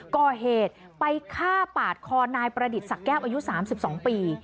ก่อเหตุไปฆ่าปาดคอนายประดิษฐ์สักแก้วอายุ๓๒ปี